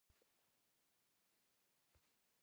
Abıxem şêjjex ş'ıp'exer yikhuç'e yağedaxe.